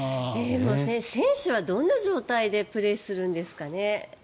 選手はどういう状態でプレーするんですかね。